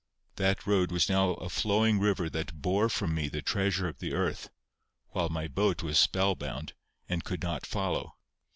That road was now a flowing river that bore from me the treasure of the earth, while my boat was spell bound, and could not follow.